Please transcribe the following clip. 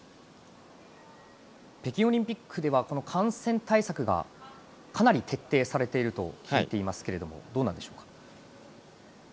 北京オリンピックでは感染対策がかなり徹底されていると聞いていますがどうなんでしょうか。